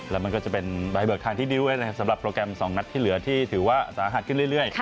แล้วมันก็จะเป็นใบเบิกทางที่ดิ้วไว้นะครับสำหรับโปรแกรม๒นัดที่เหลือที่ถือว่าสาหัสขึ้นเรื่อย